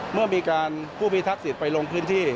เมื่อมีการผู้พิทักษิตไปลงพื้นที่